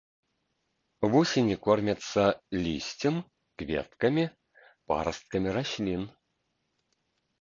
Вусені кормяцца лісцем, кветкамі, парасткамі раслін.